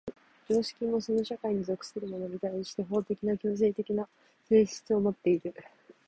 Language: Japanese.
常識もその社会に属する者に対して法的な強制的な性質をもっている。